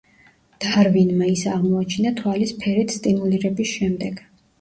დარვინმა ის აღმოაჩინა თვალის ფერით სტიმულირების შემდეგ.